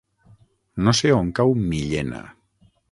No sé on cau Millena.